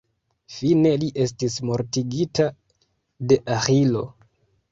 Fine, li estis mortigita de Aĥilo.